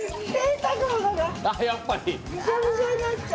やっぱり。